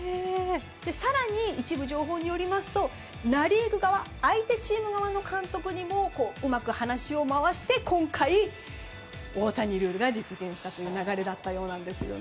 更に、一部情報によりますとナ・リーグ側相手チーム側の監督にもうまく話を回して今回、大谷ルールが実現したという流れだったようなんですね。